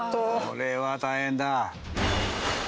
これは大変だ。